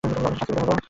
অথচ শাস্তি পেতে হল।